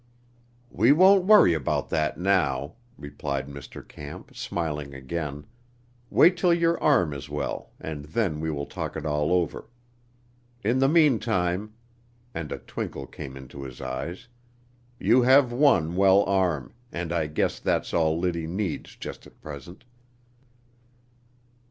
"We won't worry about that now," replied Mr. Camp, smiling again; "wait till your arm is well, and then we will talk it all over. In the meantime" and a twinkle came into his eyes "you have one well arm, and I guess that's all Liddy needs just at present."